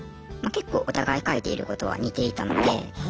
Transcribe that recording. けっこうお互い書いていることは似ていたので。